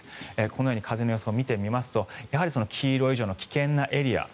このように風の予想を見てみますと黄色以上の危険なエリア